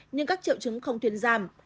nhưng các triệu chứng không tuyên giảm